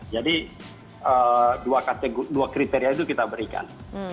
jadi dua kriteria itu kita berikan